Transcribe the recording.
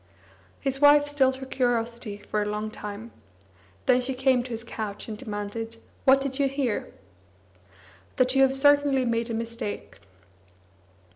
His wife stilled her curiosity for a long time; then she came to his couch and demanded: "What did you hear?" "That you have certainly made a mistake."